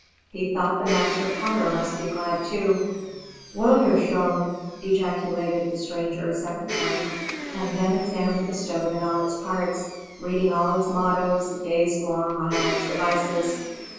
He thought the master potter must be glad too. "Wunderschön!" ejaculated the stranger a second time, and then examined the stove in all its parts, read all its mottoes, gazed long on all its devices.